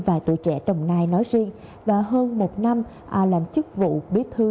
và tuổi trẻ trồng nai nói riêng và hơn một năm làm chức vụ biết thư